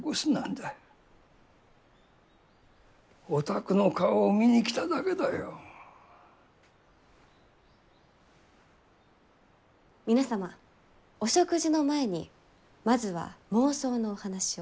お宅の顔を見に来ただけだよ。皆様お食事の前にまずは妄想のお話を。